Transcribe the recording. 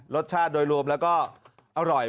รสชาติโดยรวมแล้วก็อร่อย